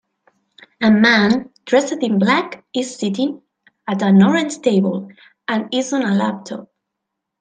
A man dressed in black is sitting at an orange table and is on a laptop.